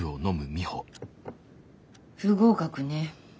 不合格ね。